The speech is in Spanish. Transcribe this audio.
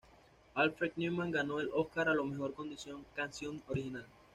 Alfred Newman ganó el Óscar a la mejor canción original.